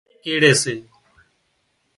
الاهي ڪيڙي سي